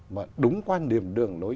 mà đúng quan điểm đường đối